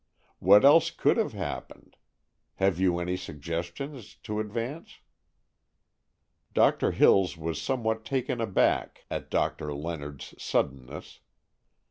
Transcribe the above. What else could have happened? Have you any suggestion to advance?" Doctor Hills was somewhat taken aback at Doctor Leonard's suddenness.